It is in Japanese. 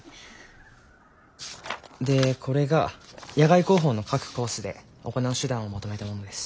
でこれが野外航法の各コースで行う手段をまとめたものです。